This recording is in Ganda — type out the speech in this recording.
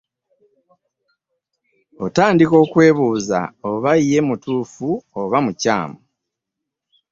Otandika okwebuuza oba ye mutuufu oba mukyamu.